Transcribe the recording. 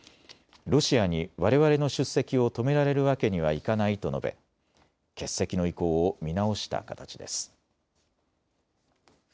ロシアにわれわれの出席を止められるわけにはいかないと述べ欠席の意向を見直した形です。